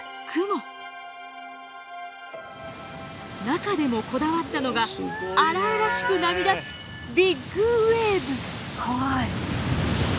中でもこだわったのが荒々しく波立つビッグウエーブ。